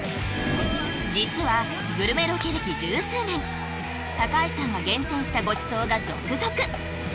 実はグルメロケ歴十数年高橋さんが厳選したごちそうが続々！